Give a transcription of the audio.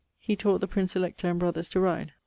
He taught the Prince Elector and brothers to ride.